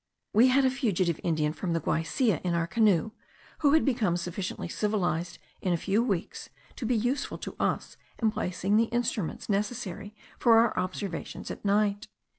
We had a fugitive Indian from the Guaisia in our canoe, who had become sufficiently civilized in a few weeks to be useful to us in placing the instruments necessary for our observations at night.